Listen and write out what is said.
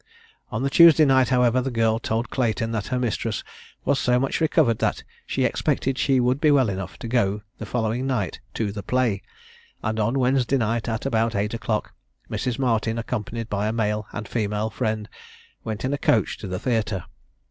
On the Tuesday night, however, the girl told Clayton that her mistress was so much recovered, that she expected she would be well enough to go the following night to the play, and on Wednesday night, about eight o'clock, Mrs. Martin, accompanied by a male and female friend, went in a coach to the theatre.